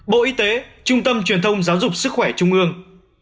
bộ y tế trung tâm truyền thông giáo dục sức khỏe trung ương